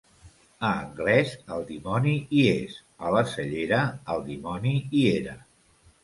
A Anglès, el dimoni hi és; a la Cellera, el dimoni hi era.